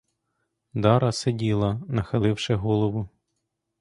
Дара сиділа, нахиливши голову.